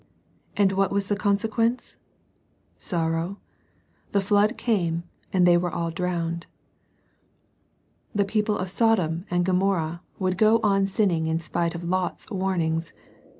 And what was the con sequence ? Sorrow. The flood came, and they were all' drowned. The people of Sodom and Gomorrah would go on sinning in spite of Lot's warnings.